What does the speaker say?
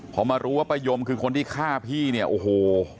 พอมารู้ว่าป้ายมคือคนที่ฆ่าพี่เนี่ยโอ้โห